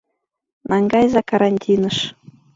Наҥгайыза карантиныш.